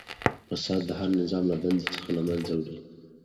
فساد هر نظام له دننه څخه له منځه وړي.